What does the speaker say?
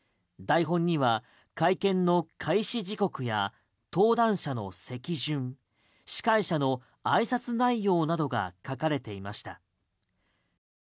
台本には会見の開始時刻や登壇者の席順司会者のあいさつ内容などが書かれていました。